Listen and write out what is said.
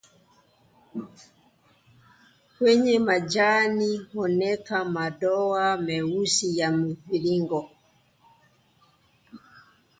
Kwenye majani huonekana madoa meusi ya mviringo